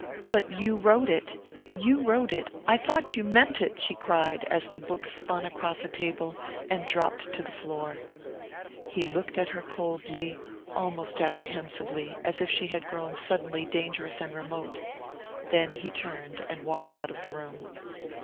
"But you wrote it you wrote it! I thought you meant it!" she cried, as the book spun across a table and dropped to the floor. He looked at her coldly, almost apprehensively, as if she had grown suddenly dangerous and remote; then he turned and walked out of the room.